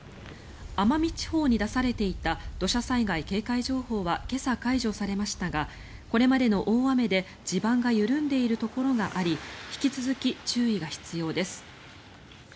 奄美地方に出されていた土砂災害警戒情報は今朝、解除されましたがこれまでの大雨で地盤が緩んでいるところがあり引き続き注意が必要です。